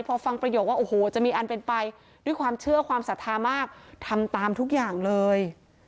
พอฟังประโยคว่าโอ้โหจะมีอันเป็นไปด้วยความเชื่อความศรัทธามากทำตามทุกอย่างเลย